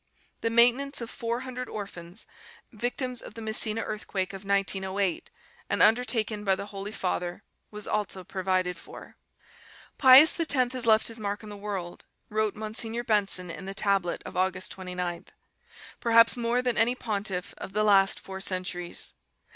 The maintenance of 400 orphans, victims of the Messina earthquake of 1908 and undertaken by the Holy Father, was also provided for. "Pius X has left his mark on the world," wrote Monsignor Benson in The Tablet of August 29th, "perhaps more than any pontiff of the last four centuries.